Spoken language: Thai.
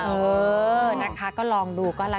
เออนะคะก็ลองดูก็ละกัน